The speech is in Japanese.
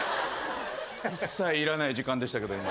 一切いらない時間でしたけど今。